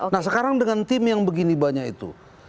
nah sekarang dengan tim yang begini banyak itu